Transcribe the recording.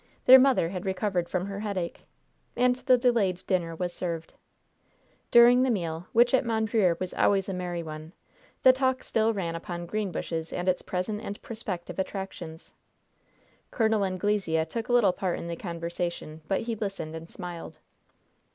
Their mother had recovered from her headache. And the delayed dinner was served. During the meal, which at Mondreer was always a merry one, the talk still ran upon Greenbushes and its present and prospective attractions. Col. Anglesea took little part in the conversation, but he listened and smiled.